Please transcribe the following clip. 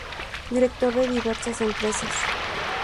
Director de diversas empresas.